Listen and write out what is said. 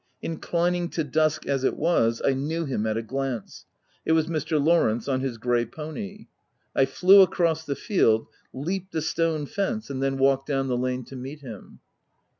Inclining to dusk as it was, I knew him at a glance : it was Mr. Lawrence on his grey pony. I flew across the field — leaped the stone fence — and then walked down the lane to meet him.